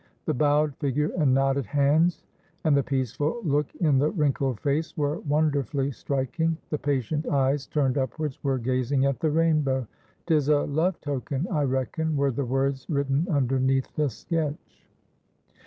The bowed figure and knotted hands, and the peaceful look in the wrinkled face were wonderfully striking, the patient eyes turned upwards were gazing at the rainbow. "'Tis a love token, I reckon," were the words written underneath the sketch.